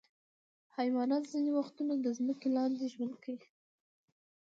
حیوانات ځینې وختونه د ځمکې لاندې ژوند کوي.